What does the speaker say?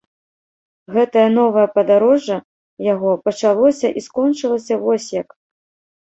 Гэтае новае падарожжа яго пачалося і скончылася вось як.